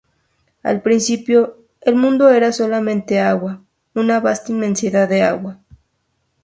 Al principio, el mundo era solamente agua, una vasta inmensidad de agua.